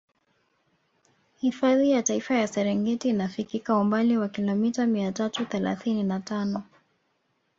Hifadhi ya Taifa ya Serengeti inafikika umbali wa kilomita mia tatu thelathini na tano